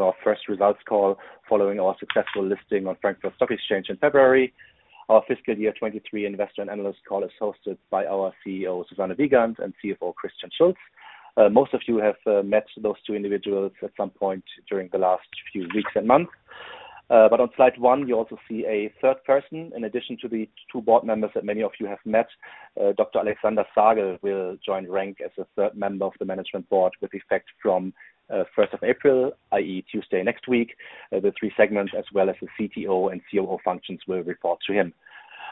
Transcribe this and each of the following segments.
Our first results call following our successful listing on Frankfurt Stock Exchange in February. Our fiscal year 2023 investor and analyst call is hosted by our CEO, Susanne Wiegand, and CFO, Christian Schulz. Most of you have met those two individuals at some point during the last few weeks and months. But on Slide 1, you also see a third person. In addition to the two board members that many of you have met, Dr. Alexander Sagel will join RENK as a third member of the management board with effect from 1 April, i.e., Tuesday next week. The three segments, as well as the CTO and COO functions, will report to him.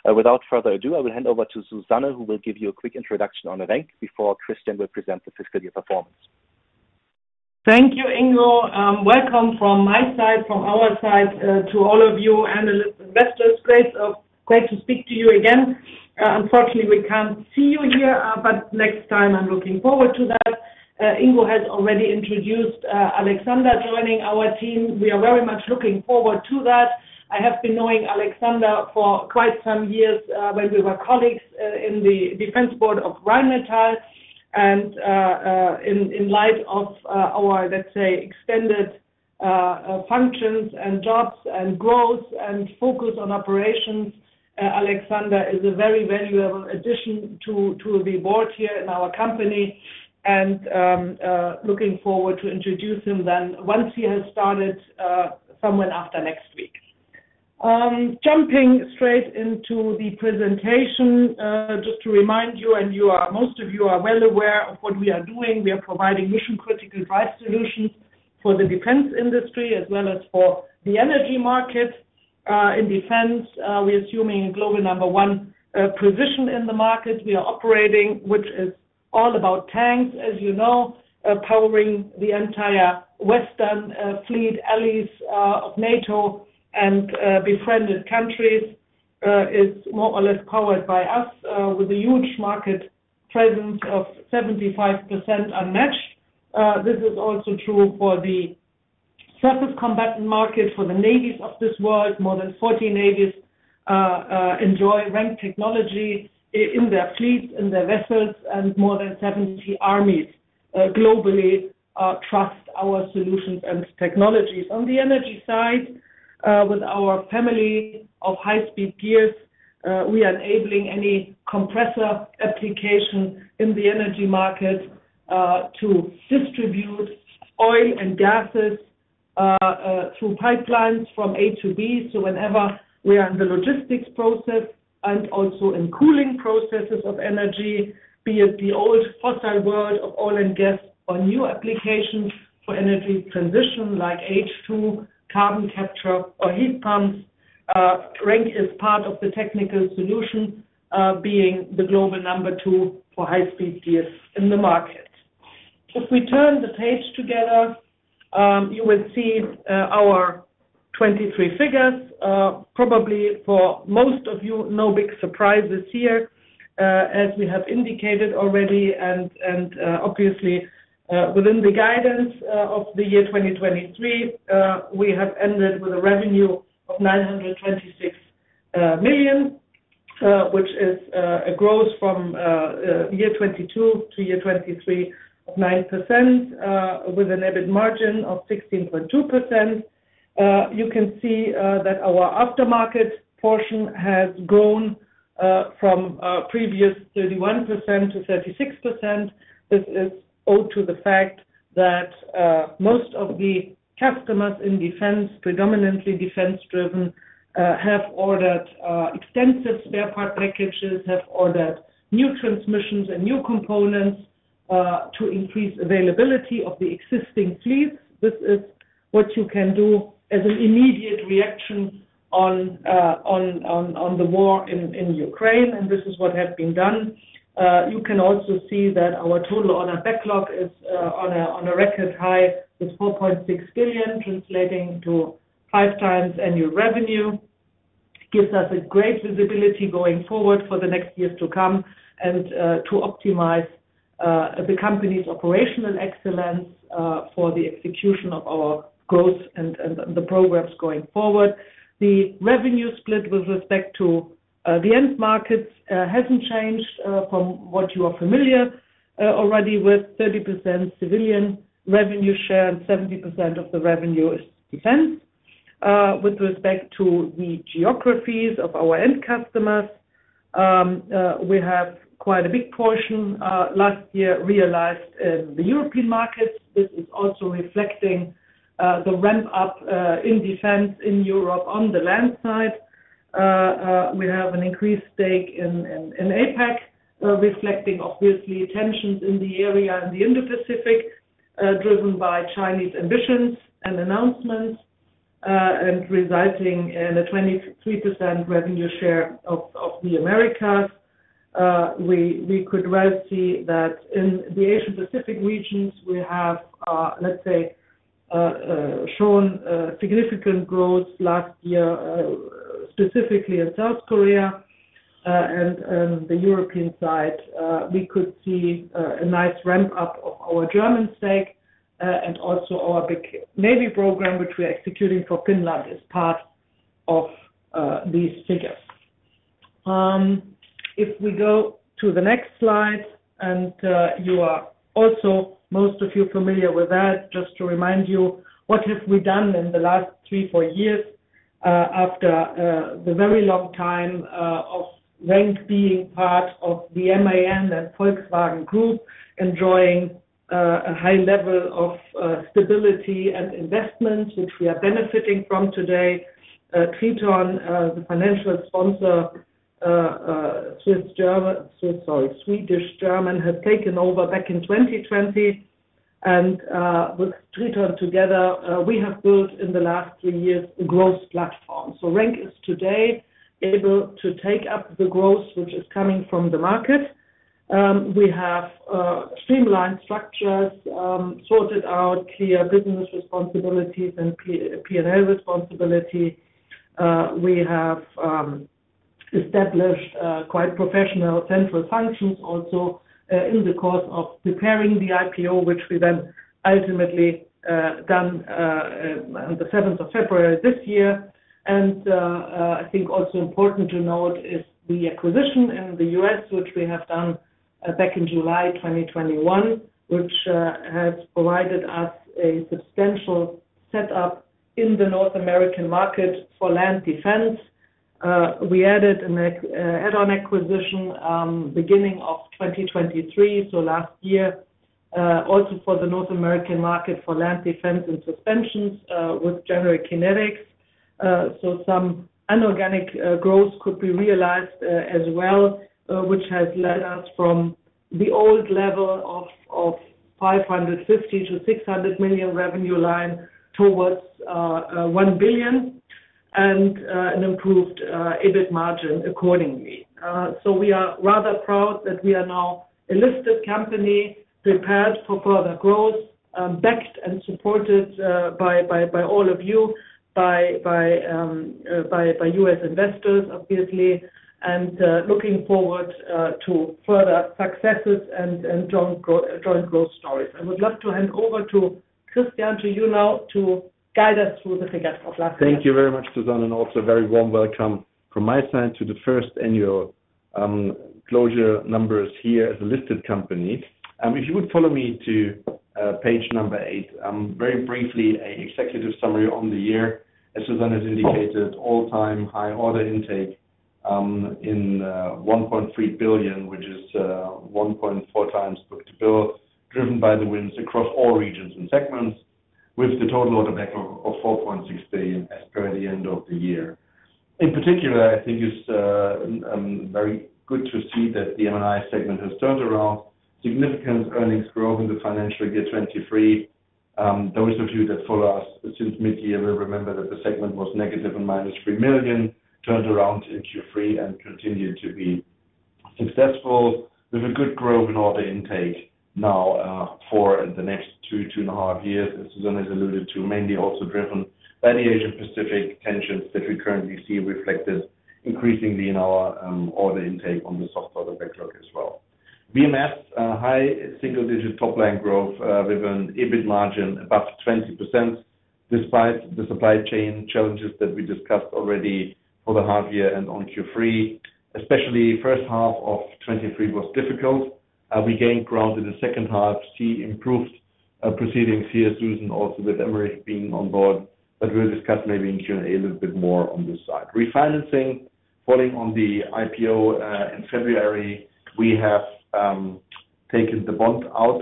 Without further ado, I will hand over to Susanne, who will give you a quick introduction on RENK before Christian will present the fiscal year performance. Thank you, Ingo. Welcome from my side, from our side, to all of you analysts and investors. Great to speak to you again. Unfortunately, we can't see you here, but next time, I'm looking forward to that. Ingo has already introduced Alexander joining our team. We are very much looking forward to that. I have been knowing Alexander for quite some years when we were colleagues in the defense board of Rheinmetall. In light of our, let's say, extended functions and jobs and growth and focus on operations, Alexander is a very valuable addition to the board here in our company. Looking forward to introducing him then once he has started somewhere after next week. Jumping straight into the presentation, just to remind you, and most of you are well aware of what we are doing. We are providing mission-critical drive solutions for the defense industry as well as for the energy market. In defense, we are assuming a global number one position in the market we are operating, which is all about tanks, as you know, powering the entire Western fleet, allies of NATO, and friendly countries. It's more or less powered by us with a huge market presence of 75% unmatched. This is also true for the surface combatant market, for the navies of this world. More than 40 navies enjoy RENK technology in their fleets, in their vessels, and more than 70 armies globally trust our solutions and technologies. On the energy side, with our family of high-speed gears, we are enabling any compressor application in the energy market to distribute oil and gases through pipelines from A to B. So whenever we are in the logistics process and also in cooling processes of energy, be it the old fossil world of oil and gas or new applications for energy transition like H2, carbon capture, or heat pumps, RENK is part of the technical solution, being the global number 2 for high-speed gears in the market. If we turn the page together, you will see our 2023 figures. Probably for most of you, no big surprises here, as we have indicated already. Obviously, within the guidance of the year 2023, we have ended with a revenue of 926 million, which is a growth from year 2022 to year 2023 of 9% with an EBIT margin of 16.2%. You can see that our aftermarket portion has grown from previous 31%-36%. This is owed to the fact that most of the customers in defense, predominantly defense-driven, have ordered extensive spare part packages, have ordered new transmissions and new components to increase availability of the existing fleets. This is what you can do as an immediate reaction on the war in Ukraine, and this is what has been done. You can also see that our total order backlog is on a record high with 4.6 billion, translating to five times annual revenue. It gives us a great visibility going forward for the next years to come and to optimize the company's operational excellence for the execution of our growth and the programs going forward. The revenue split with respect to the end markets hasn't changed from what you are familiar already with, 30% civilian revenue share and 70% of the revenue is defense. With respect to the geographies of our end customers, we have quite a big portion last year realized in the European markets. This is also reflecting the ramp-up in defense in Europe on the land side. We have an increased stake in APAC, reflecting, obviously, tensions in the area and the Indo-Pacific driven by Chinese ambitions and announcements and resulting in a 23% revenue share of the Americas. We could well see that in the Asia-Pacific regions, we have, let's say, shown significant growth last year, specifically in South Korea and the European side. We could see a nice ramp-up of our German stake and also our big navy program, which we are executing for Finland, is part of these figures. If we go to the next slide, and you are also, most of you, familiar with that, just to remind you, what have we done in the last three, four years after the very long time of RENK being part of the MAN and Volkswagen Group enjoying a high level of stability and investments, which we are benefiting from today? Triton, the financial sponsor, Swiss German Swedish German, has taken over back in 2020. With Triton together, we have built, in the last three years, a growth platform. RENK is today able to take up the growth, which is coming from the market. We have streamlined structures, sorted out clear business responsibilities and P&L responsibility. We have established quite professional central functions also in the course of preparing the IPO, which we then ultimately done on the 7th of February this year. I think also important to note is the acquisition in the U.S., which we have done back in July 2021, which has provided us a substantial setup in the North American market for land defense. We added an add-on acquisition beginning of 2023, so last year, also for the North American market for land defense and suspensions with General Kinetics. Some inorganic growth could be realized as well, which has led us from the old level of 550 million-600 million revenue line towards 1 billion and an improved EBIT margin accordingly. We are rather proud that we are now a listed company prepared for further growth, backed and supported by all of you, by U.S. investors, obviously, and looking forward to further successes and joint growth stories. I would love to hand over to Christian, to you now, to guide us through the figures of last year. Thank you very much, Susanne, and also a very warm welcome from my side to the first annual closure numbers here as a listed company. If you would follow me Page 8, very briefly, an executive summary on the year. As Susanne has indicated, all-time high order intake in 1.3 billion, which is 1.4x book-to-bill, driven by the wins across all regions and segments with the total order backlog of 4.6 billion as per the end of the year. In particular, I think it's very good to see that the M&I segment has turned around, significant earnings growth in the financial year 2023. Those of you that follow us since midyear will remember that the segment was negative in -3 million, turned around in Q3, and continued to be successful with a good growth in order intake now for the next 2, 2.5 years, as Susanne has alluded to, mainly also driven by the Asia-Pacific tensions that we currently see reflected increasingly in our order intake on the soft order backlog as well. VMS, high single-digit top-line growth with an EBIT margin above 20% despite the supply chain challenges that we discussed already for the half-year and on Q3. Especially first half of 2023 was difficult. We gained ground in the second half, see improved proceedings here, Susanne, also with Emmerich being on board. But we'll discuss maybe in Q&A a little bit more on this side. Refinancing, falling on the IPO in February, we have taken the bond out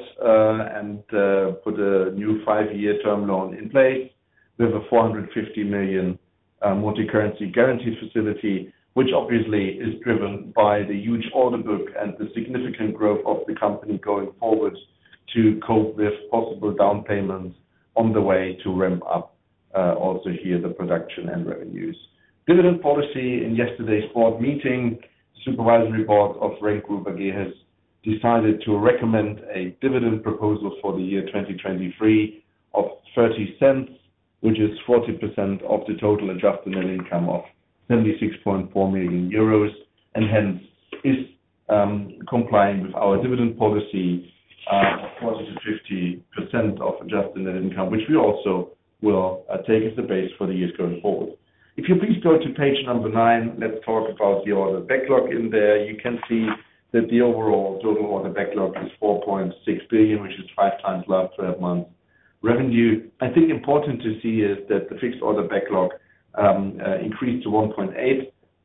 and put a new 5-year term loan in place with a 450 million multicurrency guarantee facility, which obviously is driven by the huge order book and the significant growth of the company going forward to cope with possible down payments on the way to ramp up also here the production and revenues. Dividend policy, in yesterday's board meeting, the supervisory board of RENK Group again has decided to recommend a dividend proposal for the year 2023 of 0.30, which is 40% of the total adjusted net income of 76.4 million euros and hence is complying with our dividend policy, 40%-50% of adjusted net income, which we also will take as the base for the years going forward. If you please go to Page 9, let's talk about the order backlog in there. You can see that the overall total order backlog is 4.6 billion, which is five times last 12 months' revenue. I think important to see is that the fixed order backlog increased to 1.8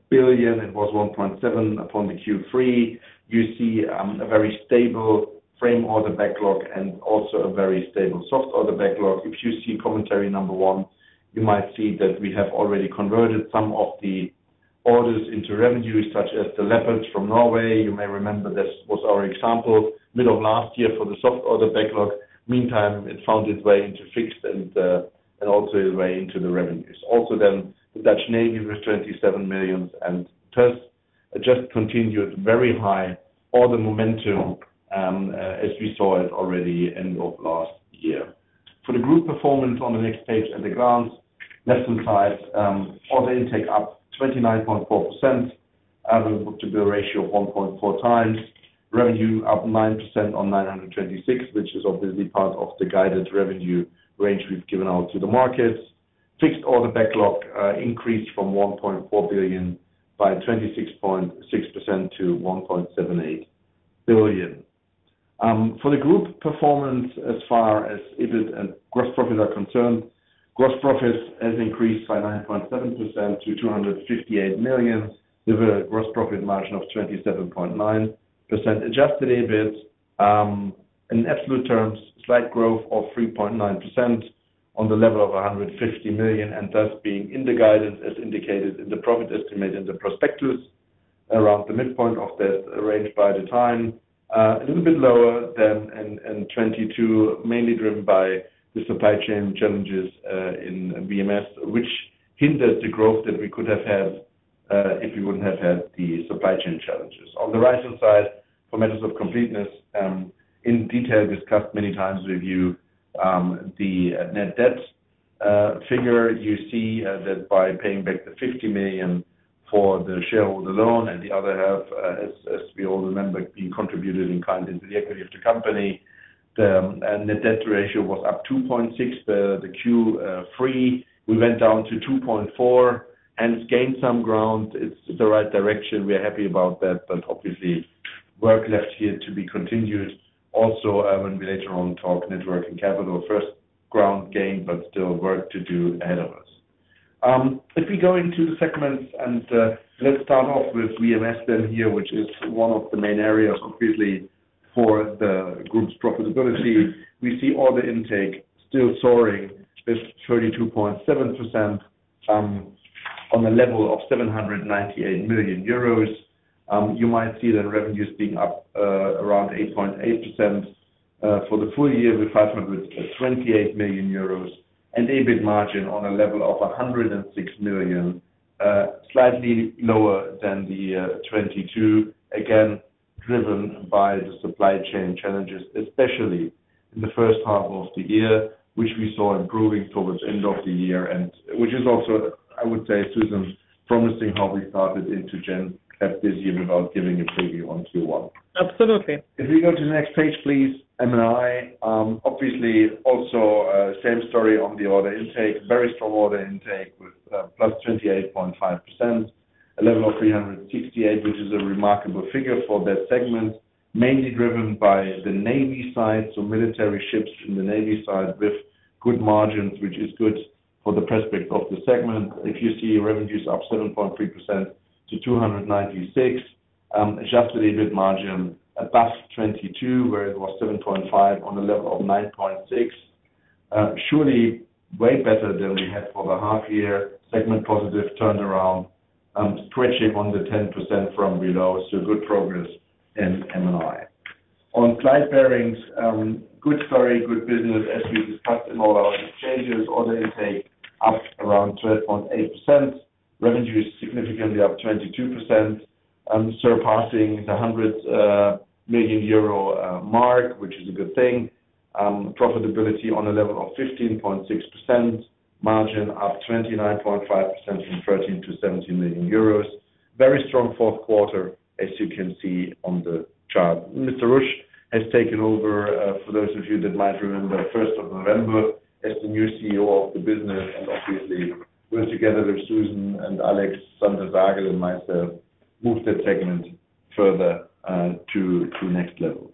billion. It was 1.7 billion upon the Q3. You see a very stable frame order backlog and also a very stable soft order backlog. If you see commentary number 1, you might see that we have already converted some of the orders into revenues, such as the Leopards from Norway. You may remember this was our example mid of last year for the soft order backlog. Meantime, it found its way into fixed and also its way into the revenues. Also then, the Dutch Navy with 27 million and The U.S. just continued very high order momentum as we saw it already end of last year. For the group performance on the next page at the top, left-hand side, order intake up 29.4%, average book-to-bill ratio of 1.4x, revenue up 9% on 926 million, which is obviously part of the guided revenue range we've given out to the markets. Fixed order backlog increased from 1.4 billion by 26.6% to 1.78 billion. For the group performance, as far as EBIT and gross profit are concerned, gross profit has increased by 9.7% to 258 million with a gross profit margin of 27.9%. Adjusted EBIT, in absolute terms, slight growth of 3.9% on the level of 150 million and thus being in the guidance as indicated in the profit estimate and the prospectus around the midpoint of that range by the time, a little bit lower than in 2022, mainly driven by the supply chain challenges in VMS, which hindered the growth that we could have had if we wouldn't have had the supply chain challenges. On the right-hand side, for matters of completeness, in detail discussed many times with you the net debt figure, you see that by paying back the 50 million for the shareholder loan and the other half, as we all remember, being contributed in kind into the equity of the company, the net debt ratio was up 2.6 per the Q3. We went down to 2.4, hence gained some ground. It's the right direction. We are happy about that, but obviously, work left here to be continued. Also, when we later on talk net working capital, first ground gained but still work to do ahead of us. If we go into the segments and let's start off with VMS then here, which is one of the main areas, obviously, for the group's profitability, we see order intake still soaring at 32.7% on the level of 798 million euros. You might see then revenues being up around 8.8% for the full-year with 528 million euros and EBIT margin on a level of 106 million, slightly lower than the year 2022, again driven by the supply chain challenges, especially in the first half of the year, which we saw improving towards end of the year, which is also, I would say, Susanne, promising how we started into Q1 of this year without giving a preview on Q1. Absolutely. If we go to the next page, please, M&I, obviously, also same story on the order intake, very strong order intake with +28.5%, a level of 368 million, which is a remarkable figure for that segment, mainly driven by the navy side, so military ships in the navy side with good margins, which is good for the prospects of the segment. If you see revenues up 7.3% to 296 million, adjusted EBIT margin above 2022 where it was 7.5% on a level of 9.6%, surely way better than we had for the half-year, segment positive, turned around, stretching on the 10% from below, so good progress in M&I. On Slide Bearings, good story, good business as we discussed in all our exchanges, order intake up around 12.8%, revenues significantly up 22%, surpassing the 100 million euro mark, which is a good thing. Profitability on a level of 15.6%, margin up 29.5% from 13 million-17 million euros, very strong fourth quarter as you can see on the chart. Mr. Rusch has taken over, for those of you that might remember, 1st of November as the new CEO of the business. Obviously, we're together with Susanne and Alexander Sagel and myself, moved that segment further to next levels.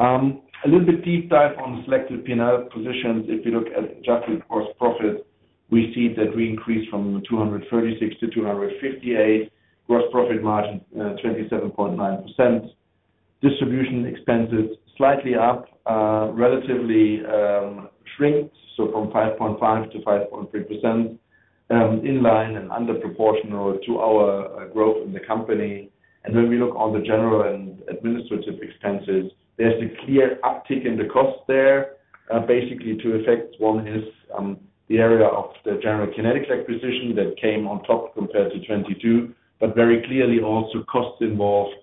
A little bit deep dive on selected P&L positions. If we look at adjusted gross profit, we see that we increased from 236-258, gross profit margin 27.9%, distribution expenses slightly up, relatively shrunk, so from 5.5%-5.3%, in line and underproportional to our growth in the company. When we look on the general and administrative expenses, there's a clear uptick in the cost there. Basically, to effect, one is the area of the General Kinetics acquisition that came on top compared to 2022, but very clearly also costs involved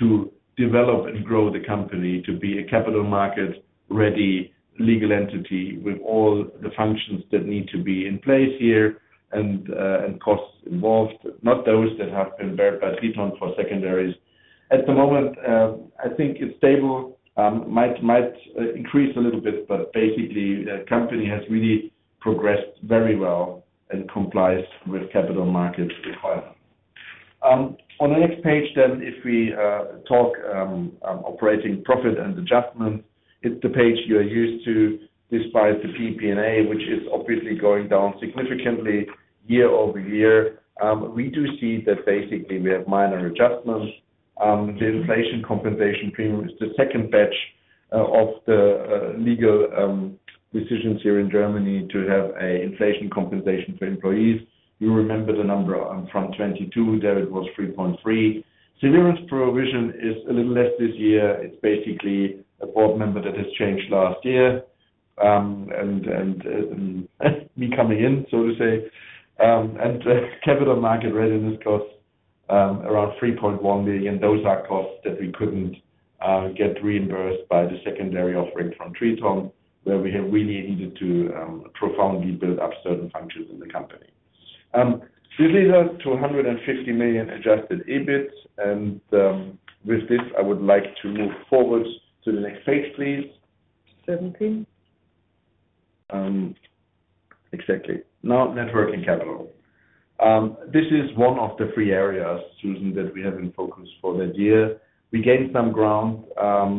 to develop and grow the company to be a capital market-ready legal entity with all the functions that need to be in place here and costs involved, not those that have been borne by Triton for secondaries. At the moment, I think it's stable, might increase a little bit, but basically, the company has really progressed very well and complies with capital markets requirements. On the next page then, if we talk operating profit and adjustments, it's the page you are used to despite the PP&A, which is obviously going down significantly year-over-year. We do see that basically, we have minor adjustments. The inflation compensation premium is the second batch of the legal decisions here in Germany to have an inflation compensation for employees. You remember the number from 2022 there, it was 3.3. Severance provision is a little less this year. It's basically a board member that has changed last year and me coming in, so to say. And capital market readiness costs around 3.1 million. Those are costs that we couldn't get reimbursed by the secondary offering from Triton where we have really needed to profoundly build up certain functions in the company. This leads us to 150 million adjusted EBIT. With this, I would like to move forward to the next page, please. 17. Exactly. Now, net working capital. This is one of the three areas, Susan, that we have in focus for that year. We gained some ground.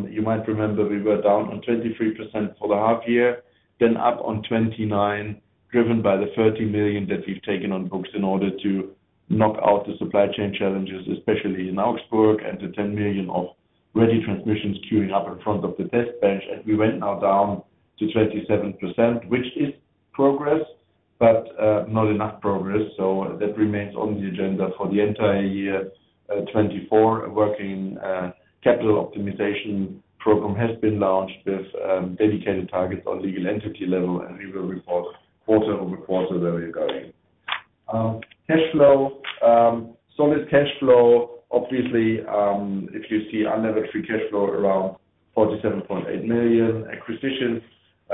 You might remember we were down on 23% for the half-year, then up on 29%, driven by the 30 million that we've taken on books in order to knock out the supply chain challenges, especially in Augsburg, and the 10 million of ready transmissions queuing up in front of the test bench. And we went now down to 27%, which is progress, but not enough progress. So that remains on the agenda for the entire year. 2024, a working capital optimization program has been launched with dedicated targets on legal entity level, and we will report quarter-over-quarter where we are going. Cash flow, solid cash flow, obviously, if you see unlevered free cash flow around 47.8 million, acquisitions,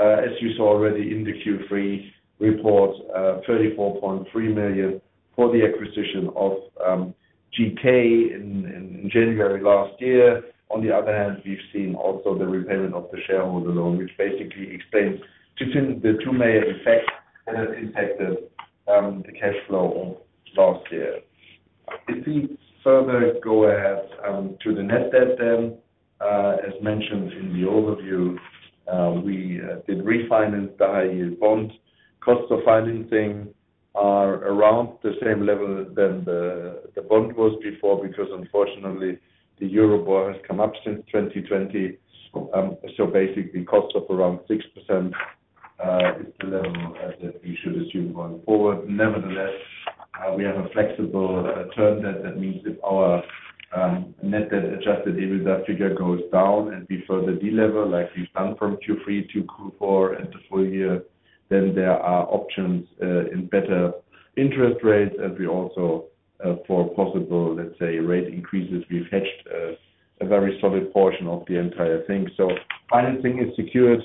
as you saw already in the Q3 report, 34.3 million for the acquisition of GK in January last year. On the other hand, we've seen also the repayment of the shareholder loan, which basically explains the two main effects that have impacted the cash flow of last year. If we further go ahead to the net debt then, as mentioned in the overview, we did refinance the high-yield bond. Costs of financing are around the same level than the bond was before because, unfortunately, the Euribor has come up since 2020. So basically, costs of around 6% is the level that we should assume going forward. Nevertheless, we have a flexible term debt. That means if our net debt adjusted EBITDA figure goes down and we further delever like we've done from Q3 to Q4 and the full-year, then there are options in better interest rates. And we also, for possible, let's say, rate increases, we've hedged a very solid portion of the entire thing. So financing is secured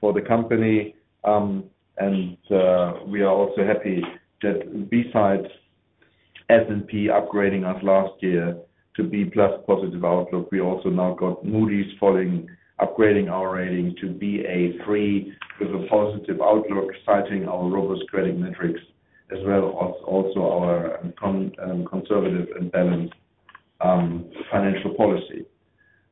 for the company, and we are also happy that besides S&P upgrading us last year to B+ positive outlook, we also now got Moody's following, upgrading our rating to Ba3 with a positive outlook, citing our robust credit metrics as well as also our conservative and balanced financial policy.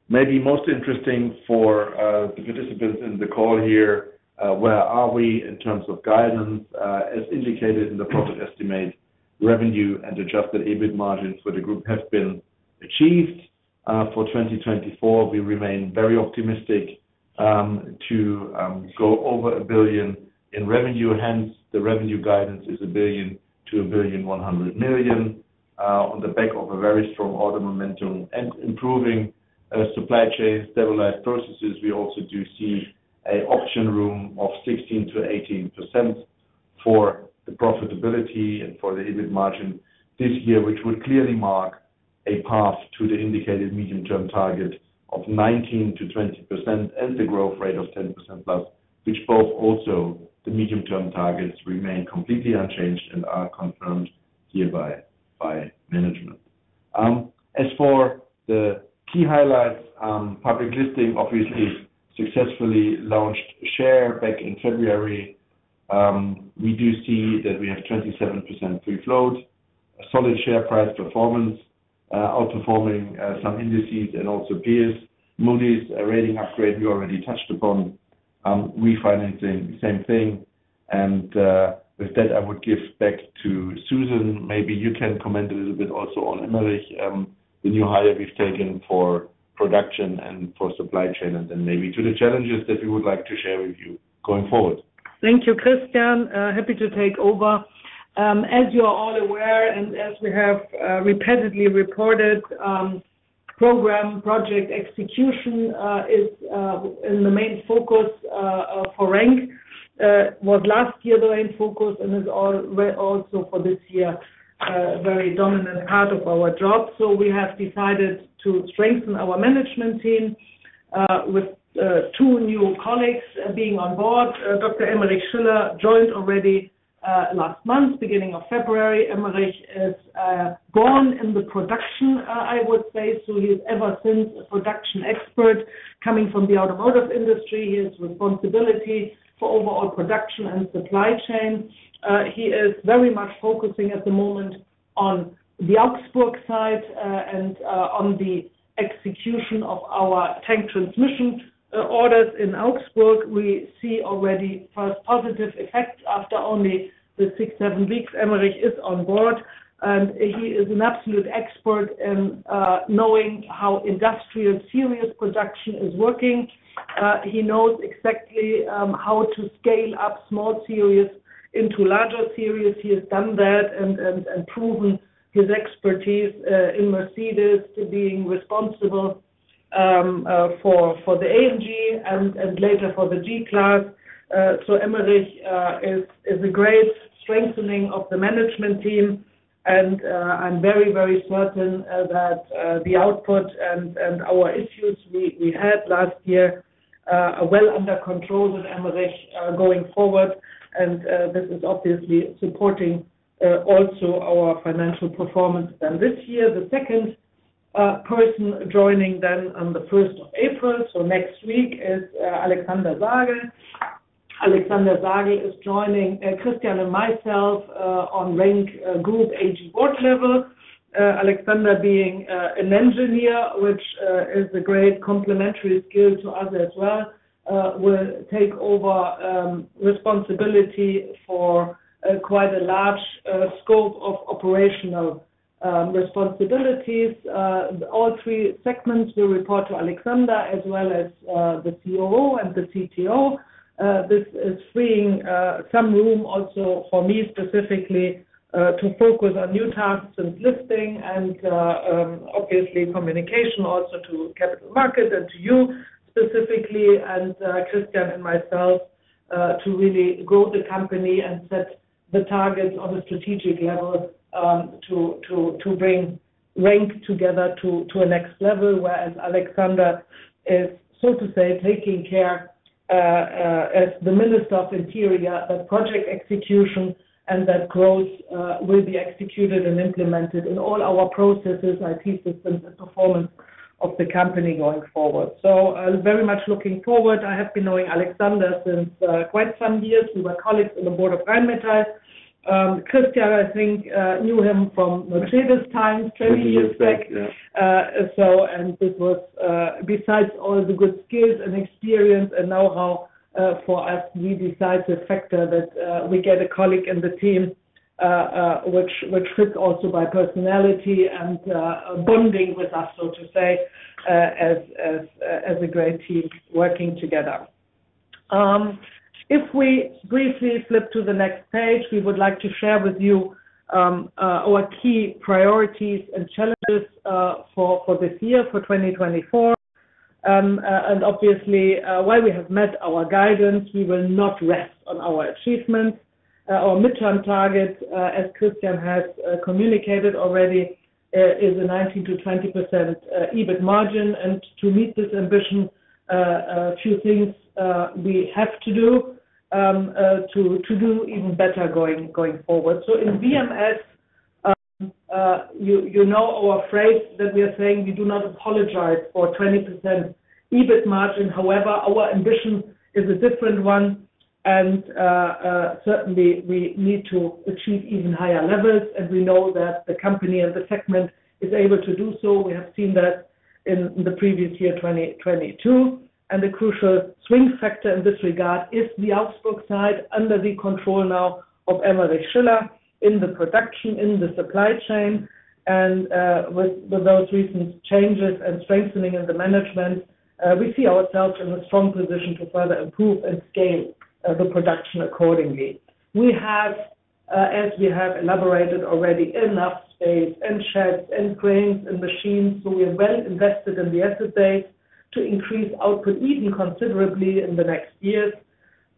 Maybe most interesting for the participants in the call here, where are we in terms of guidance? As indicated in the profit estimate, revenue and adjusted EBIT margin for the group have been achieved. For 2024, we remain very optimistic to go over 1 billion in revenue. Hence, the revenue guidance is 1 billion-1.1 billion on the back of a very strong order momentum and improving supply chain, stabilized processes. We also do see an option room of 16%-18% for the profitability and for the EBIT margin this year, which would clearly mark a path to the indicated medium-term target of 19%-20% and the growth rate of 10%+, which both also the medium-term targets remain completely unchanged and are confirmed hereby by management. As for the key highlights, public listing, obviously, successfully launched share back in February. We do see that we have 27% free float, a solid share price performance, outperforming some indices and also peers. Moody's rating upgrade, we already touched upon, refinancing, same thing. With that, I would give back to Susanne. Maybe you can comment a little bit also on Emmerich, the new hire we've taken for production and for supply chain, and then maybe to the challenges that we would like to share with you going forward. Thank you, Christian. Happy to take over. As you are all aware and as we have repetitively reported, program project execution is in the main focus for RENK. It was last year the main focus and is also for this year a very dominant part of our job. So we have decided to strengthen our management team with two new colleagues being on board. Dr. Emmerich Schiller joined already last month, beginning of February. Emmerich is born in the production, I would say. So he's ever since a production expert coming from the automotive industry. He has responsibility for overall production and supply chain. He is very much focusing at the moment on the Augsburg side and on the execution of our tank transmission orders in Augsburg. We see already first positive effects after only the 6-7 weeks Emmerich is on board. He is an absolute expert in knowing how industrial series production is working. He knows exactly how to scale up small series into larger series. He has done that and proven his expertise in Mercedes to being responsible for the AMG and later for the G-Class. Emmerich is a great strengthening of the management team. I'm very, very certain that the output and our issues we had last year are well under control with Emmerich going forward. This is obviously supporting also our financial performance than this year. The second person joining then on the 1st of April, so next week, is Alexander Sagel. Alexander Sagel is joining Christian and myself on RENK Group AG board level. Alexander being an Engineer, which is a great complementary skill to us as well, will take over responsibility for quite a large scope of operational responsibilities. All three segments will report to Alexander as well as the COO and the CTO. This is freeing some room also for me specifically to focus on new tasks and listing and obviously communication also to capital markets and to you specifically and Christian and myself to really grow the company and set the targets on a strategic level to bring RENK together to a next level, whereas Alexander is, so to say, taking care as the Minister of Interior that project execution and that growth will be executed and implemented in all our processes, IT systems, and performance of the company going forward. So I'm very much looking forward. I have been knowing Alexander since quite some years. We were colleagues on the board of Rheinmetall. Christian, I think, knew him from Mercedes times 20 years back. This was besides all the good skills and experience and know-how for us, we decide the factor that we get a colleague in the team, which fits also by personality and bonding with us, so to say, as a great team working together. If we briefly flip to the next page, we would like to share with you our key priorities and challenges for this year, for 2024. Obviously, while we have met our guidance, we will not rest on our achievements. Our mid-term target, as Christian has communicated already, is a 19%-20% EBIT margin. To meet this ambition, a few things we have to do to do even better going forward. So in VMS, you know our phrase that we are saying, "We do not apologize for 20% EBIT margin." However, our ambition is a different one. Certainly, we need to achieve even higher levels. We know that the company and the segment is able to do so. We have seen that in the previous year, 2022. The crucial swing factor in this regard is the Augsburg side under the control now of Emmerich Schiller in the production, in the supply chain. With those recent changes and strengthening in the management, we see ourselves in a strong position to further improve and scale the production accordingly. We have, as we have elaborated already, enough space in sheds and cranes and machines. We are well invested in the asset base to increase output even considerably in the next years.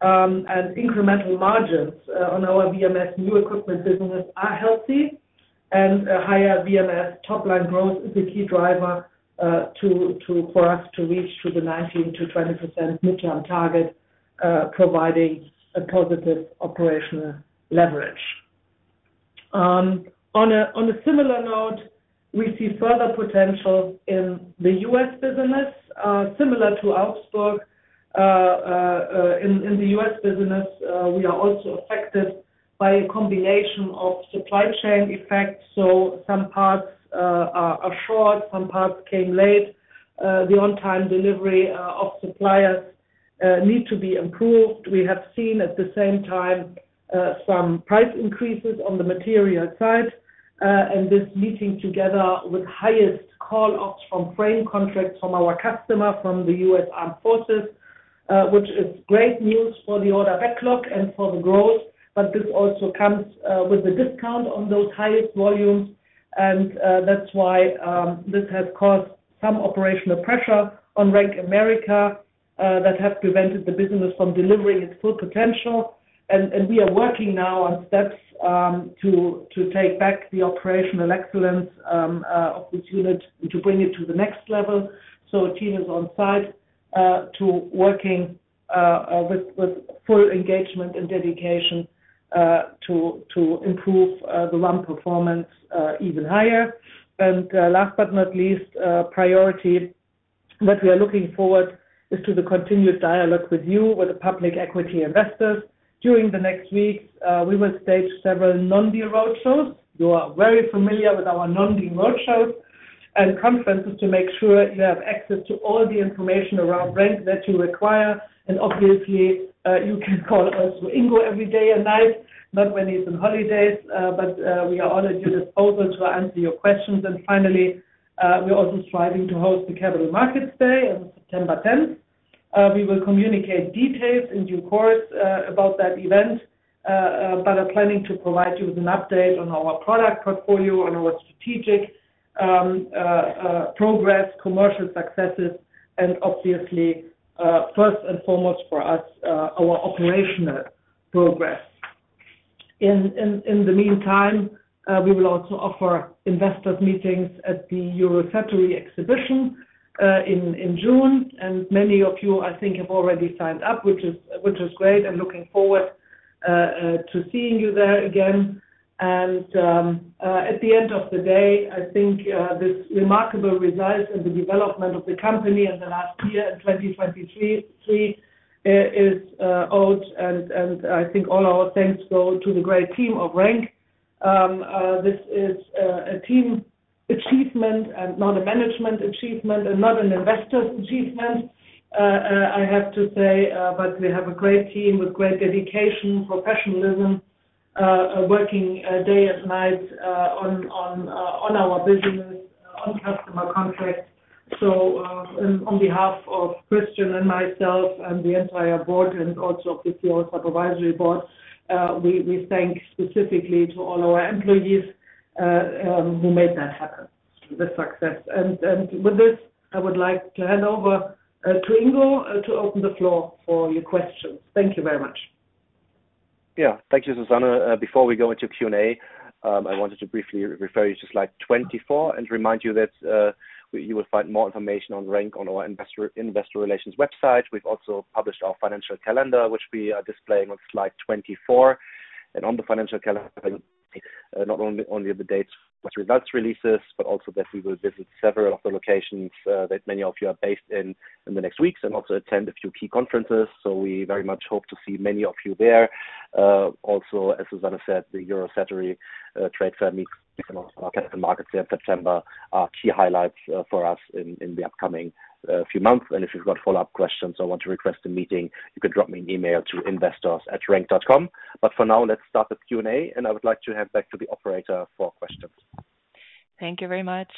Incremental margins on our VMS new equipment business are healthy. Higher VMS top-line growth is a key driver for us to reach to the 19%-20% mid-term target, providing a positive operational leverage. On a similar note, we see further potential in the U.S. business, similar to Augsburg. In the U.S. business, we are also affected by a combination of supply chain effects. So some parts are short. Some parts came late. The on-time delivery of suppliers needs to be improved. We have seen at the same time some price increases on the material side. And this meeting together with highest call-outs from frame contracts from our customer from the U.S. Armed Forces, which is great news for the order backlog and for the growth. But this also comes with a discount on those highest volumes. And that's why this has caused some operational pressure on RENK America that has prevented the business from delivering its full potential. And we are working now on steps to take back the operational excellence of this unit and to bring it to the next level. So a team is on site working with full engagement and dedication to improve the run performance even higher. And last but not least, priority that we are looking forward is to the continued dialogue with you, with the public equity investors. During the next weeks, we will stage several non-deal roadshows. You are very familiar with our non-deal roadshows and conferences to make sure you have access to all the information around RENK that you require. And obviously, you can call us through Ingo every day and night, not when he's on holidays. But we are all at your disposal to answer your questions. And finally, we are also striving to host the Capital Markets Day on September 10th. We will communicate details in due course about that event, but are planning to provide you with an update on our product portfolio, on our strategic progress, commercial successes, and obviously, first and foremost for us, our operational progress. In the meantime, we will also offer investors meetings at the Eurosatory exhibition in June. And many of you, I think, have already signed up, which is great. I'm looking forward to seeing you there again. And at the end of the day, I think this remarkable result and the development of the company in the last year in 2023 is owed. And I think all our thanks go to the great team of RENK. This is a team achievement and not a management achievement and not an investor's achievement, I have to say. But we have a great team with great dedication, professionalism, working day and night on our business, on customer contracts. So on behalf of Christian and myself and the entire board and also of the COO supervisory board, we thank specifically all our employees who made that happen, this success. And with this, I would like to hand over to Ingo to open the floor for your questions. Thank you very much. Yeah. Thank you, Susanne. Before we go into Q&A, I wanted to briefly refer you to slide 24 and remind you that you will find more information on RENK on our investor relations website. We've also published our financial calendar, which we are displaying on Slide 24. On the financial calendar, not only are the dates with results releases, but also that we will visit several of the locations that many of you are based in in the next weeks and also attend a few key conferences. So we very much hope to see many of you there. Also, as Susanne said, the Eurosatory Trade Fair meetings and our Capital Markets Day in September are key highlights for us in the upcoming few months. If you've got follow-up questions or want to request a meeting, you can drop me an email to investors@renk.com. For now, let's start the Q&A. I would like to hand back to the operator for questions. Thank you very much.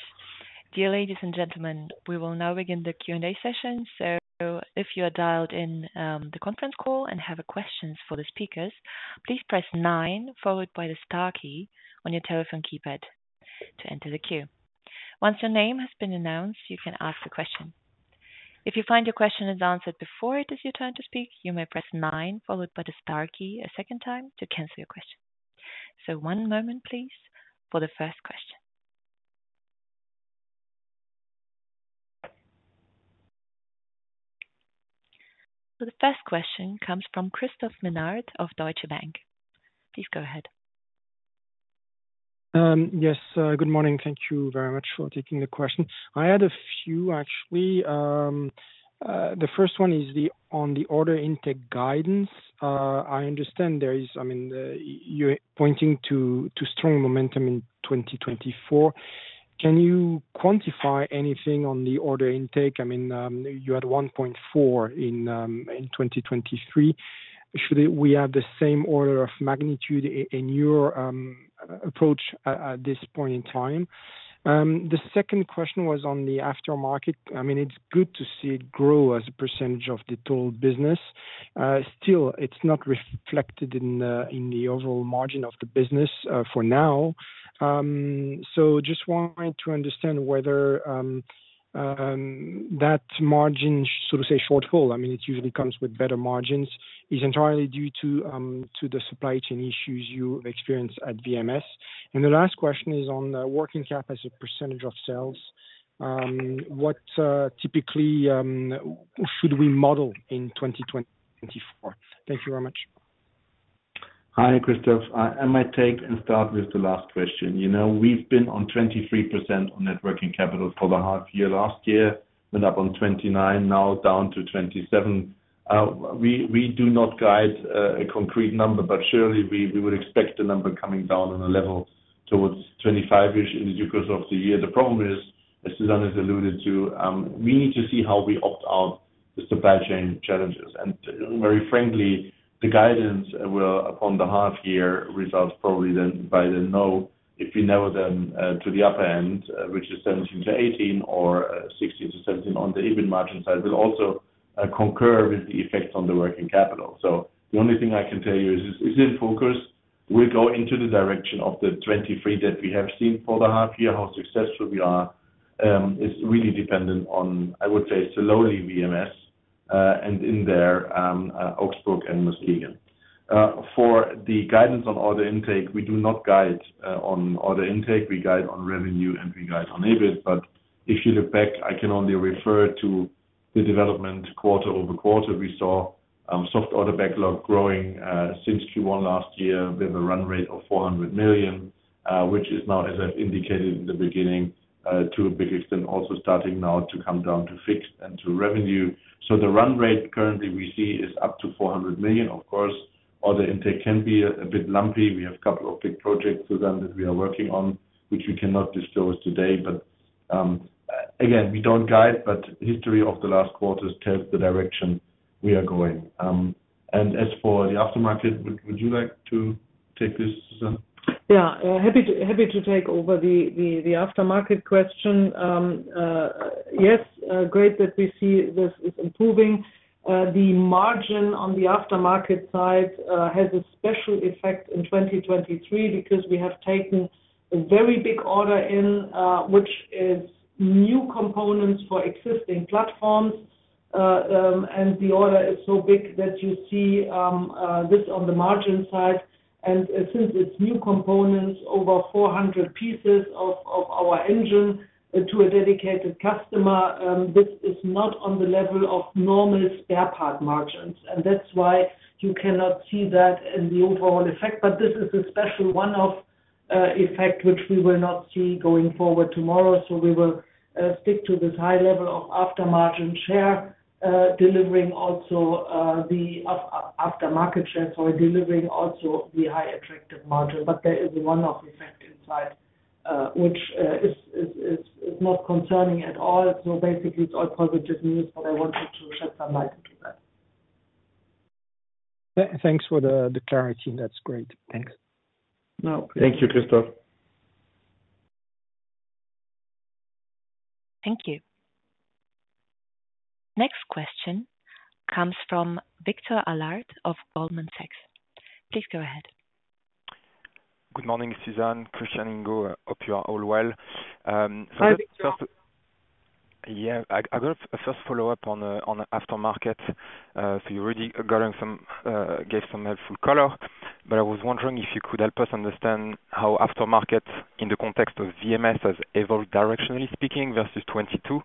Dear ladies and gentlemen, we will now begin the Q&A session. So if you are dialed in the conference call and have questions for the speakers, please press 9 followed by the Star key on your telephone keypad to enter the queue. Once your name has been announced, you can ask a question. If you find your question is answered before it is your turn to speak, you may press 9 followed by the Star key a second time to cancel your question. So one moment, please, for the first question. So the first question comes from Christophe Menard of Deutsche Bank. Please go ahead. Yes. Good morning. Thank you very much for taking the question. I had a few, actually. The first one is on the order intake guidance. I understand, I mean, you're pointing to strong momentum in 2024. Can you quantify anything on the order intake? I mean, you had 1.4 billion in 2023. Should we have the same order of magnitude in your approach at this point in time? The second question was on the aftermarket. I mean, it's good to see it grow as a percentage of the total business. Still, it's not reflected in the overall margin of the business for now. So just wanted to understand whether that margin, so to say, shortfall, I mean, it usually comes with better margins, is entirely due to the supply chain issues you experience at VMS. The last question is on working cap as a percentage of sales. What typically should we model in 2024? Thank you very much. Hi, Christophe. I might take and start with the last question. We've been on 23% on net working capital for the half-year. Last year, went up on 29, now down to 27. We do not guide a concrete number, but surely we would expect the number coming down on a level towards 25-ish in the due course of the year. The problem is, as Susanne has alluded to, we need to see how we opt out the supply chain challenges. And very frankly, the guidance will, upon the half-year results, probably then by then know if we narrow them to the upper end, which is 17%-18% or 16%-17% on the EBIT margin side, will also concur with the effects on the working capital. So the only thing I can tell you is, is it in focus? We'll go in the direction of the 23 that we have seen for the half-year. How successful we are is really dependent on, I would say, slowly VMS and in there Augsburg and Muskegon. For the guidance on order intake, we do not guide on order intake. We guide on revenue, and we guide on EBIT. But if you look back, I can only refer to the development quarter-over-quarter. We saw soft order backlog growing since Q1 last year with a run rate of 400 million, which is now, as I've indicated in the beginning, to a big extent also starting now to come down to fixed and to revenue. So the run rate currently we see is up to 400 million. Of course, order intake can be a bit lumpy. We have a couple of big projects, Susanne, that we are working on, which we cannot disclose today. But again, we don't guide, but history of the last quarters tells the direction we are going. As for the aftermarket, would you like to take this, Susanne? Yeah. Happy to take over the aftermarket question. Yes. Great that we see this is improving. The margin on the aftermarket side has a special effect in 2023 because we have taken a very big order intake, which is new components for existing platforms. And the order is so big that you see this on the margin side. And since it's new components, over 400 pieces of our engine to a dedicated customer, this is not on the level of normal spare part margins. And that's why you cannot see that in the overall effect. But this is a special one-off effect, which we will not see going forward tomorrow. So we will stick to this high level of aftermarket margin share, delivering also the aftermarket share sorry, delivering also the high attractive margin. But there is a one-off effect inside, which is not concerning at all. Basically, it's all positive news. I wanted to shed some light into that. Thanks for the clarity. That's great. Thanks. No. Thank you, Christophe. Thank you. Next question comes from Victor Allard of Goldman Sachs. Please go ahead. Good morning, Susanne. Christian, Ingo. Hope you are all well. So the first. Hi, Victor. Yeah. I got a first follow-up on aftermarket. So you already gave some helpful color. But I was wondering if you could help us understand how aftermarket in the context of VMS has evolved, directionally speaking, versus 2022.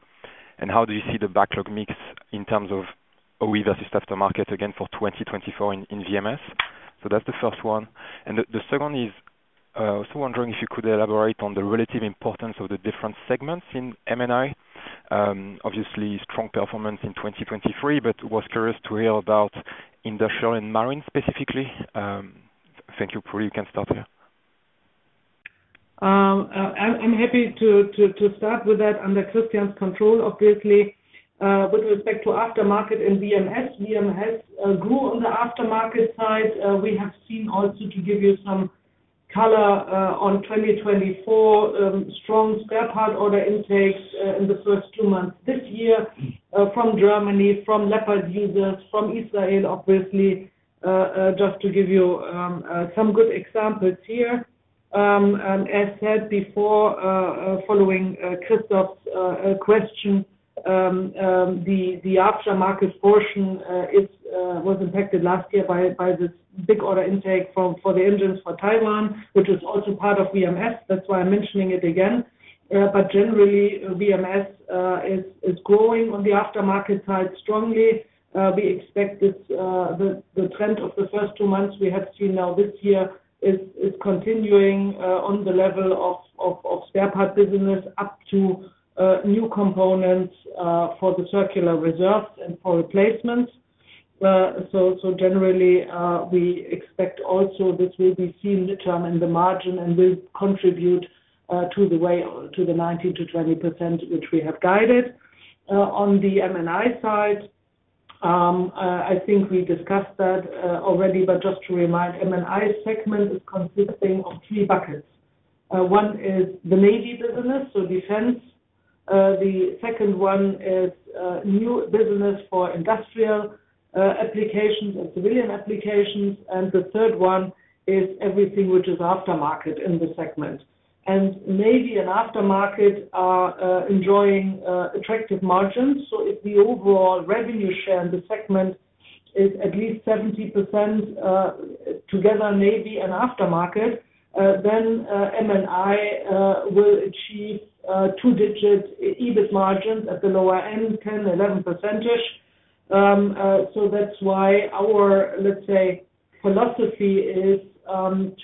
And how do you see the backlog mix in terms of OE versus aftermarket, again, for 2024 in VMS? So that's the first one. And the second is also wondering if you could elaborate on the relative importance of the different segments in M&I. Obviously, strong performance in 2023, but was curious to hear about industrial and marine specifically. Thank you. Puri, you can start here. I'm happy to start with that under Christian's control, obviously. With respect to aftermarket in VMS, VMS grew on the aftermarket side. We have seen also to give you some color on 2024, strong spare part order intakes in the first two months this year from Germany, from Leopard users, from Israel, obviously, just to give you some good examples here. As said before, following Christophe's question, the aftermarket portion was impacted last year by this big order intake for the engines for Taiwan, which is also part of VMS. That's why I'm mentioning it again. But generally, VMS is growing on the aftermarket side strongly. We expect this the trend of the first two months we have seen now this year is continuing on the level of spare part business up to new components for the circular reserves and for replacements. So generally, we expect also this will be seen in the term in the margin and will contribute to the 19%-20%, which we have guided. On the M&I side, I think we discussed that already. But just to remind, M&I segment is consisting of three buckets. One is the navy business, so defense. The second one is new business for industrial applications and civilian applications. And the third one is everything which is aftermarket in the segment. And navy and aftermarket are enjoying attractive margins. So if the overall revenue share in the segment is at least 70% together, navy and aftermarket, then M&I will achieve two-digit EBIT margins at the lower end, 10%-11%-ish. So that's why our, let's say, philosophy is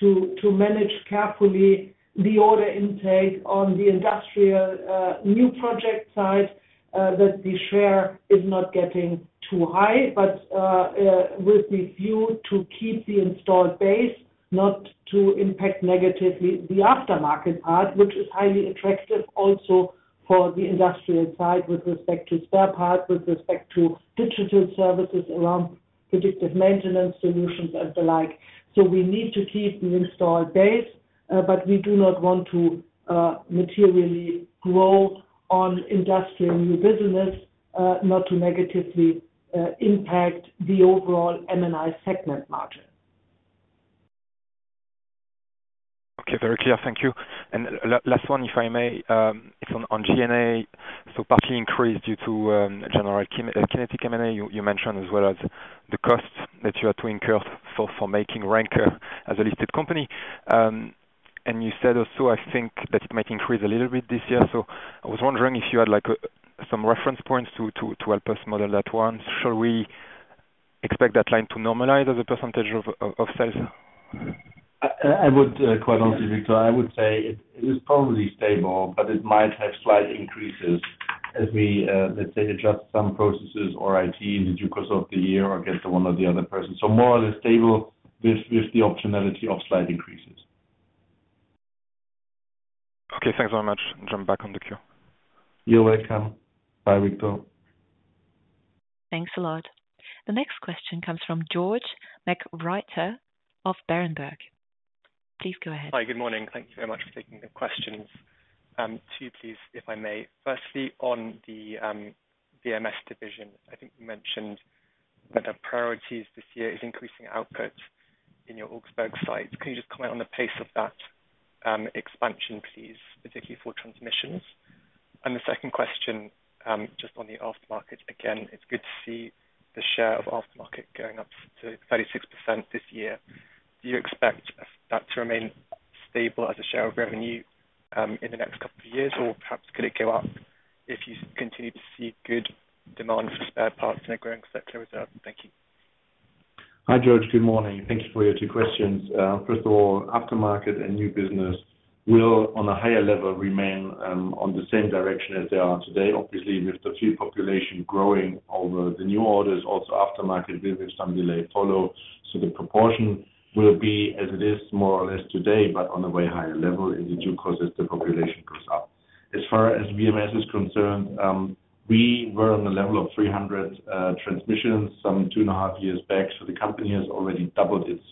to manage carefully the order intake on the industrial new project side that the share is not getting too high, but with the view to keep the installed base, not to impact negatively the aftermarket part, which is highly attractive also for the industrial side with respect to spare parts, with respect to digital services around predictive maintenance solutions and the like. So we need to keep the installed base. But we do not want to materially grow on industrial new business, not to negatively impact the overall M&I segment margin. Okay. Very clear. Thank you. And last one, if I may. It's on G&A. So partly increased due to General Kinetics M&A, you mentioned, as well as the cost that you had to incur for making RENK as a listed company. And you said also, I think, that it might increase a little bit this year. So I was wondering if you had some reference points to help us model that one. Shall we expect that line to normalize as a percentage of sales? I would quite honestly, Victor, I would say it is probably stable, but it might have slight increases as we, let's say, adjust some processes or IT in the due course of the year or get the one or the other person. So more or less stable with the optionality of slight increases. Okay. Thanks very much. Jump back on the queue. You're welcome. Bye, Victor. Thanks a lot. The next question comes from George McWhirter of Berenberg. Please go ahead. Hi. Good morning. Thank you very much for taking the questions. 2, please, if I may. Firstly, on the VMS division, I think you mentioned that a priority this year is increasing output in your Augsburg sites. Can you just comment on the pace of that expansion, please, particularly for transmissions? And the second question, just on the aftermarket, again, it's good to see the share of aftermarket going up to 36% this year. Do you expect that to remain stable as a share of revenue in the next couple of years, or perhaps could it go up if you continue to see good demand for spare parts in a growing circular reserve? Thank you. Hi, George. Good morning. Thank you for your two questions. First of all, aftermarket and new business will, on a higher level, remain on the same direction as they are today. Obviously, with the fleet population growing over the new orders, also aftermarket will, with some delay, follow. So the proportion will be as it is more or less today, but on a way higher level in due course as the population goes up. As far as VMS is concerned, we were on the level of 300 transmissions some two and a half years back. So the company has already doubled its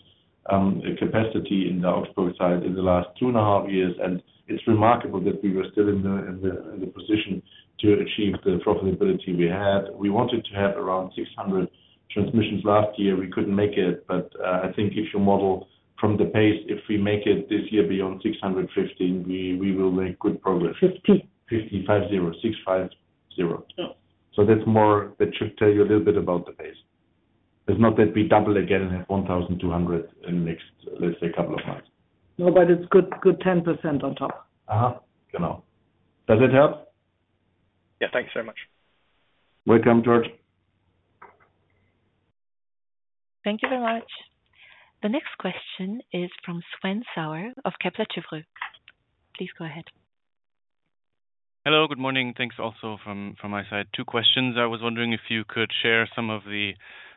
capacity in the Augsburg site in the last two and a half years. And it's remarkable that we were still in the position to achieve the profitability we had. We wanted to have around 600 transmissions last year. We couldn't make it. I think if you model from the pace, if we make it this year beyond 650, we will make good progress. 50. 50, 50, 650. So that should tell you a little bit about the pace. It's not that we double again and have 1,200 in the next, let's say, couple of months. No, but it's good 10% on top. Uh-huh. Genau. Does it help? Yeah. Thanks very much. Welcome, George. Thank you very much. The next question is from Sven Sauer of Kepler Cheuvreux. Please go ahead. Hello. Good morning. Thanks also from my side. Two questions. I was wondering if you could share some of the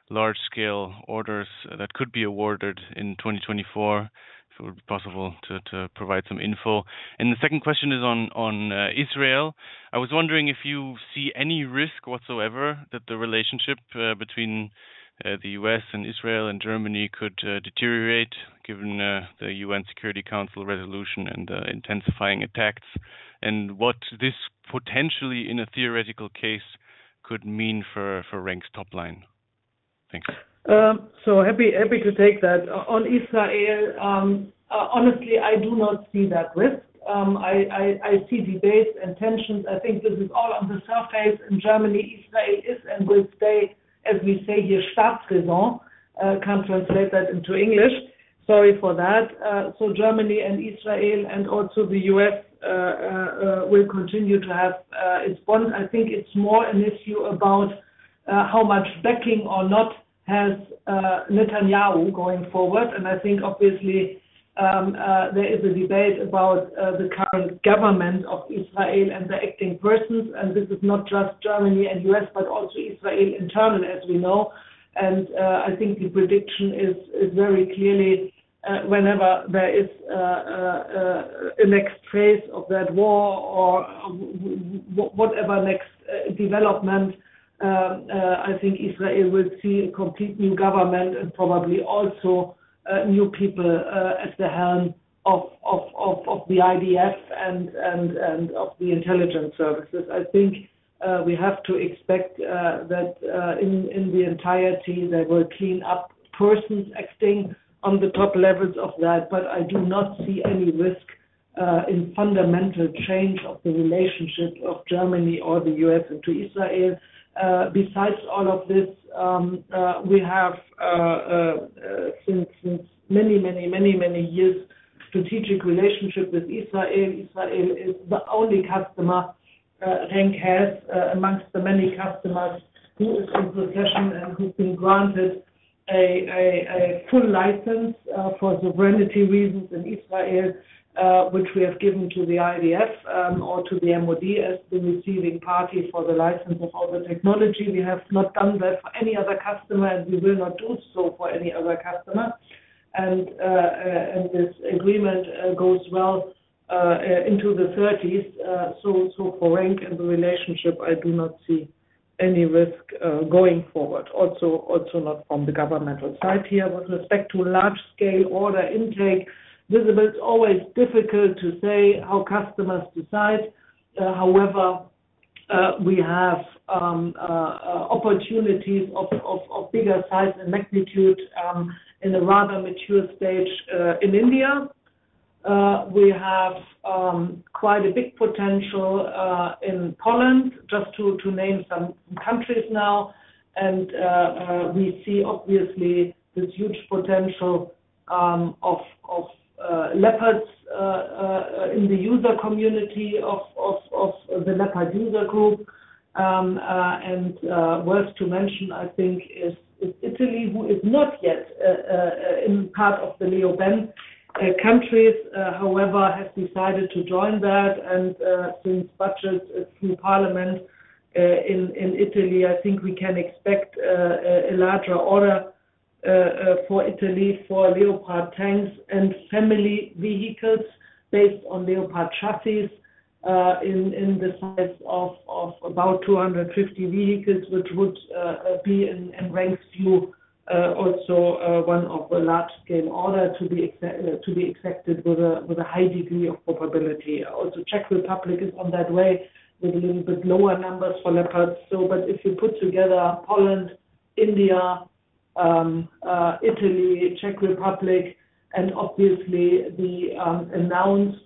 large-scale orders that could be awarded in 2024, if it would be possible to provide some info. The second question is on Israel. I was wondering if you see any risk whatsoever that the relationship between the U.S. and Israel and Germany could deteriorate given the UN Security Council resolution and the intensifying attacks, and what this potentially, in a theoretical case, could mean for RENK's top line. Thanks. So happy to take that. On Israel, honestly, I do not see that risk. I see debates and tensions. I think this is all on the surface. In Germany, Israel is and will stay, as we say here, Staatsräson. Can't translate that into English. Sorry for that. So Germany and Israel and also the U.S. will continue to have its bond. I think it's more an issue about how much backing or not has Netanyahu going forward. And I think, obviously, there is a debate about the current government of Israel and the acting persons. And this is not just Germany and U.S., but also Israel internally, as we know. I think the prediction is very clearly whenever there is a next phase of that war or whatever next development, I think Israel will see a complete new government and probably also new people at the helm of the IDF and of the intelligence services. I think we have to expect that in the entirety, they will clean up persons acting on the top levels of that. But I do not see any risk in fundamental change of the relationship of Germany or the U.S. into Israel. Besides all of this, we have, since many, many, many, many years, a strategic relationship with Israel. Israel is the only customer RENK has amongst the many customers who is in possession and who's been granted a full license for sovereignty reasons in Israel, which we have given to the IDF or to the MOD as the receiving party for the license of all the technology. We have not done that for any other customer, and we will not do so for any other customer. This agreement goes well into the 2030s. For RENK and the relationship, I do not see any risk going forward, also not from the governmental side here. With respect to large-scale order intake, visible, it's always difficult to say how customers decide. However, we have opportunities of bigger size and magnitude in a rather mature stage in India. We have quite a big potential in Poland, just to name some countries now. We see, obviously, this huge potential of Leopards in the user community of the Leopard User Group. Worth to mention, I think, is Italy, who is not yet part of the Leopard countries, however, has decided to join that. Since budget through parliament in Italy, I think we can expect a larger order for Italy for Leopard tanks and family vehicles based on Leopard chassis in the size of about 250 vehicles, which would be, in RENK's view, also one of the large-scale orders to be accepted with a high degree of probability. Also, Czech Republic is on that way with a little bit lower numbers for Leopards. If you put together Poland, India, Italy, Czech Republic, and obviously the announced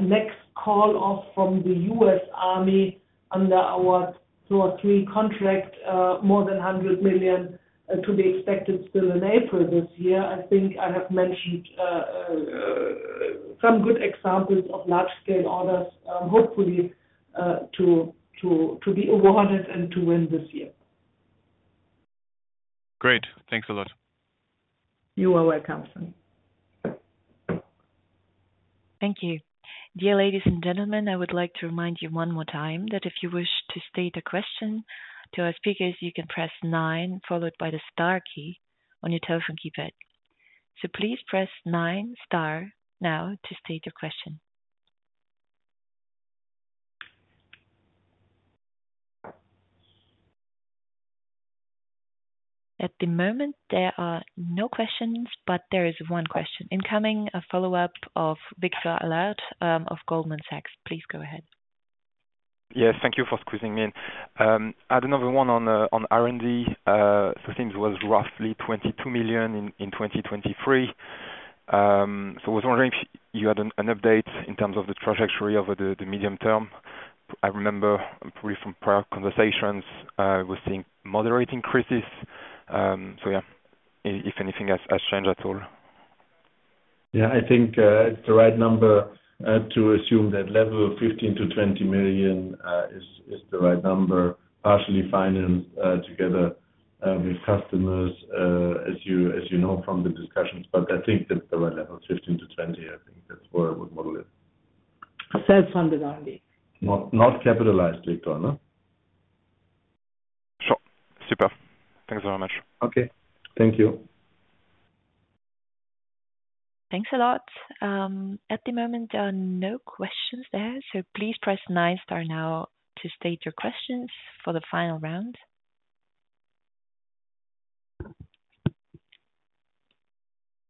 next call-off from the U.S. Army under our THOR III contract, more than 100 million to be expected still in April this year, I think I have mentioned some good examples of large-scale orders, hopefully, to be awarded and to win this year. Great. Thanks a lot. You are welcome, Sven. Thank you. Dear ladies and gentlemen, I would like to remind you one more time that if you wish to state a question to our speakers, you can press 9 followed by the Star key on your telephone keypad. So please press 9 Star now to state your question. At the moment, there are no questions. But there is one question incoming, a follow-up of Victor Allard of Goldman Sachs. Please go ahead. Yes. Thank you for squeezing me in. I had another one on R&D. So it seems it was roughly 22 million in 2023. So I was wondering if you had an update in terms of the trajectory over the medium term. I remember, probably from prior conversations, we were seeing moderate increases. So yeah, if anything has changed at all. Yeah. I think it's the right number to assume that level of 15 million-20 million is the right number, partially financed together with customers, as you know from the discussions. But I think that's the right level, 15 million-20. I think that's where I would model it. Self-funded R&D. Not capitalized, Victor, no? Sure. Super. Thanks very much. Okay. Thank you. Thanks a lot. At the moment, there are no questions there. So please press 9 star now to state your questions for the final round.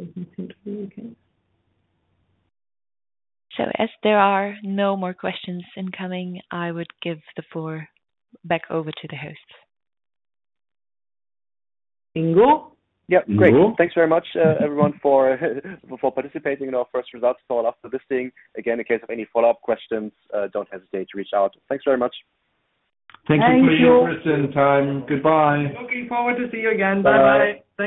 Waiting to see what the U.K. is. As there are no more questions incoming, I would give the floor back over to the hosts. Ingo? Yep. Great. Thanks very much, everyone, for participating in our first results call after this thing. Again, in case of any follow-up questions, don't hesitate to reach out. Thanks very much. Thank you. Thank you, Kristen, and Time. Goodbye. Looking forward to see you again. Bye-bye. Bye.